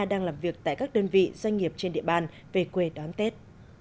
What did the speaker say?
đang làm việc tại các đơn vị doanh nghiệp trên địa bàn về quê đón tết